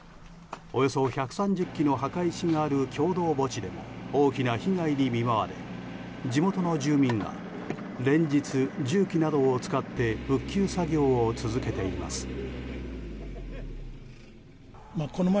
およそ１３０基の墓石がある共同墓地でも大きな被害に見舞われ地元の住民が連日、重機などを使って復旧作業を続けています。